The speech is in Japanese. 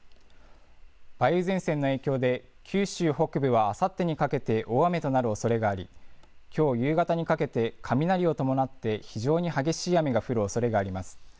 梅雨前線の影響で、九州北部はあさってにかけて、大雨となるおそれがあり、きょう夕方にかけて、雷を伴って非常に激しい雨が降るおそれがあります。